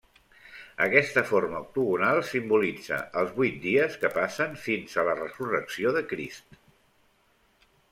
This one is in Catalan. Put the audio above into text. Aquesta forma octagonal simbolitza els vuit dies que passen fins a la Resurrecció de Crist.